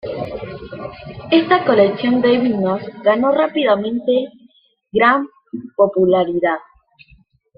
Esta colección de himnos ganó rápidamente gran popularidad.